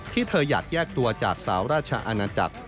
ที่เธออยากแยกตัวจากสาวราชอาณาจักร